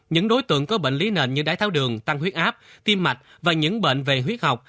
những đối tượng có bệnh lý nền như đái tháo đường tăng huyết áp tim mạch và những bệnh về huyết học